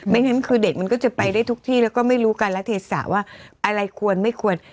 งั้นคือเด็กมันก็จะไปได้ทุกที่แล้วก็ไม่รู้การละเทศะว่าอะไรควรไม่ควร